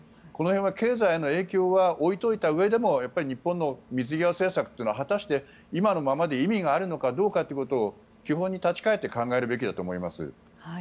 この辺は経済への影響は置いておいたうえでもやっぱり日本の水際政策は果たして今のままで意味があるのかどうかということを基本に立ち返って考えるべきだと思います。